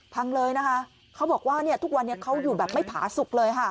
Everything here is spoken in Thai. พังเลยนะคะเขาบอกว่าทุกวันนี้เขาอยู่แบบไม่ผาสุกเลยค่ะ